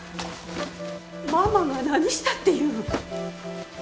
ママが何したっていうん？